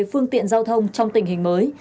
phương tiện giao thông trong tình hình mới